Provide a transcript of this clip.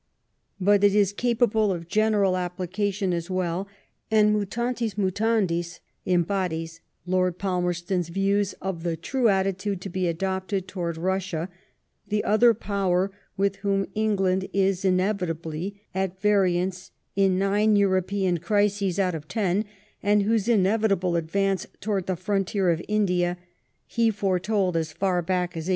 But it is capable of general application as well ; and, mutatis mutandis^ embodies Lord Palmer ston's views of the true attitude to be adopted towards Russia, the other Power with whom England is inevit ably at variance in nine European crises out of ten, and whose inevitable advance towards the frontier of India he foretold as far back as 1847.